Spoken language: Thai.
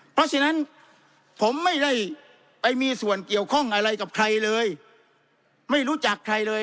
เพราะฉะนั้นผมไม่ได้ไปมีส่วนเกี่ยวข้องอะไรกับใครเลยไม่รู้จักใครเลย